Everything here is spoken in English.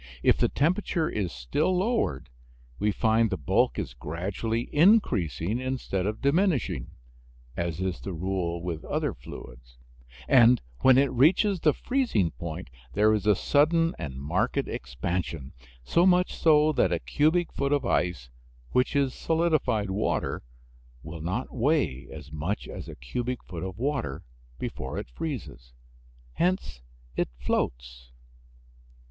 If the temperature is still lowered we find the bulk is gradually increasing instead of diminishing (as is the rule with other fluids), and when it reaches the freezing point there is a sudden and marked expansion, so much so that a cubic foot of ice, which is solidified water, will not weigh as much as a cubic foot of water before it freezes hence it floats.